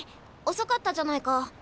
遅かったじゃないか。